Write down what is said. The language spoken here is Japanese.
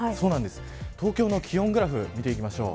東京の気温グラフ見ていきましょう。